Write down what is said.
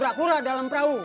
kura kura dalam perahu